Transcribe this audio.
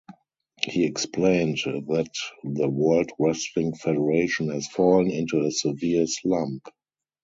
He explained that The World Wrestling Federation has fallen into a severe slump.